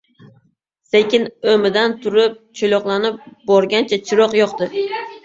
Sekin o‘mi- dan turib, cho'loqlanib borgancha chiroq yoqdi.